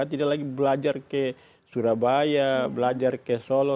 tidak lagi belajar ke surabaya belajar ke solo